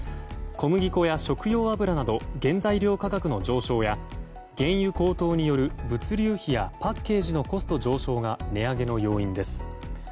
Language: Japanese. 小麦粉や食用油など原材料価格の上昇や原油高騰による物流費やパッケージのコスト上昇が値上げの要因です。